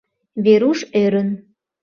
Веруш ӧрын.